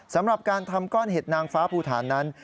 สำหรับการทำก้อนเห็ดนางฟ้าภูฐานนั้น